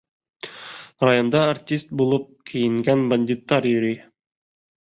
Районда артист булып кейенгән бандиттар йөрөй.